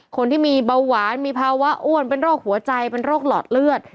คนที่มีเบาหวานมีภาวะอ้วนเป็นโรคหัวใจเป็นโรคหลอดเลือด